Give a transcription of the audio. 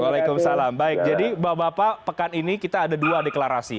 waalaikumsalam baik jadi bapak bapak pekan ini kita ada dua deklarasi